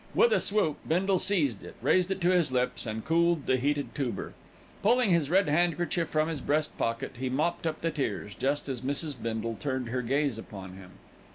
With a swoop Bindle seized it, raised it to his lips, and cooled the heated tuber. Pulling his red silk handkerchief from his breast pocket, he mopped up the tears just as Mrs. Bindle turned her gaze upon him.